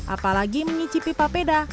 apalagi menyicipi papeda